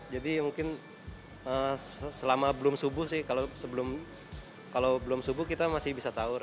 jadi mungkin selama belum subuh sih kalau belum subuh kita masih bisa sahur